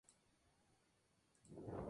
Contribuyó la ausencia de amigos de su edad.